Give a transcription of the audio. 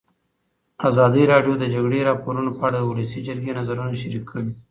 ازادي راډیو د د جګړې راپورونه په اړه د ولسي جرګې نظرونه شریک کړي.